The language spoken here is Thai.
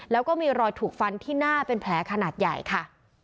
แล้วก็มีรอยถูกฟันที่หน้าเป็นแผลขนาดใหญ่ค่ะ